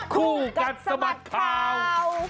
คู่กันสมัติข่าว